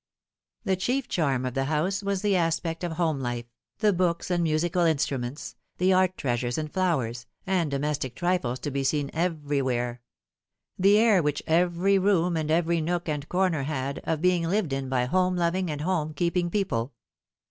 The chief charm of the house wag the aspect of home life, the books and musical instruments, the art treasures, and flowers, and domestic trifles to be seen every where ; the air which every room and every nook and corner had of being lived in by home loving and home keeping people.